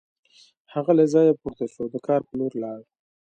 هغه له ځایه پورته شو او د کار په لور لاړ